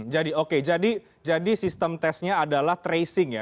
jadi oke jadi sistem tesnya adalah tracing ya